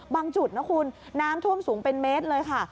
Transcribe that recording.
จุดนะคุณน้ำท่วมสูงเป็นเมตรเลยค่ะ